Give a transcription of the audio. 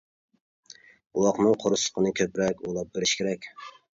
بوۋاقنىڭ قورسىقىنى كۆپرەك ئۇۋۇلاپ بېرىش كېرەك.